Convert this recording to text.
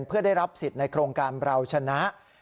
เพื่อได้รับสิทธิ์ในโครงการเราชนะ